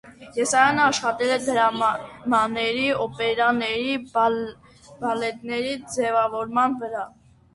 Եսայանը աշխատել է դրամաների, օպերաների, բալետների ձևավորման վրա։